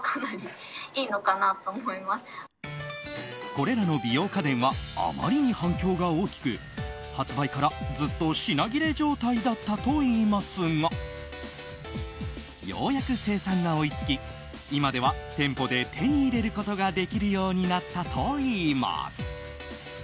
これらの美容家電はあまりに反響が大きく発売からずっと品切れ状態だったといいますがようやく生産が追いつき今では店舗で手に入れることができるようになったといいます。